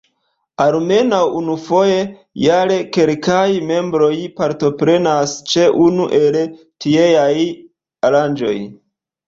Almenaŭ unufoje jare kelkaj membroj partoprenas ĉe unu el tieaj aranĝoj.